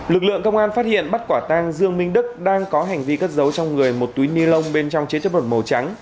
lực lượng công an phát hiện bắt quả tang dương minh đức đang có hành vi cất giấu trong người một túi ni lông bên trong chế chất bột màu trắng